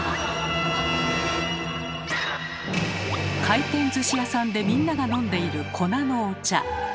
回転寿司屋さんでみんなが飲んでいる粉のお茶。